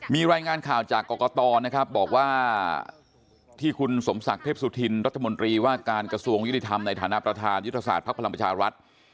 มีรายงานข่าวจากกรกตนะครับบอกว่าที่คุณสมศักดิ์เทพสุธินรัฐมนตรีว่าการกระทรวงยุติธรรมในฐานะประธานยุทธศาสตภักดิ์พลังประชารัฐ